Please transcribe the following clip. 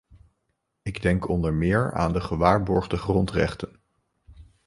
Ik denk onder meer aan de gewaarborgde grondrechten.